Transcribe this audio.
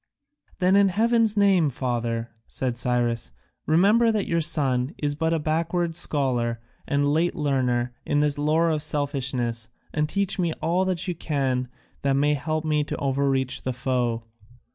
"Then in heaven's name, father," said Cyrus, "remember that your son is but a backward scholar and a late learner in this lore of selfishness, and teach me all you can that may help me to overreach the foe."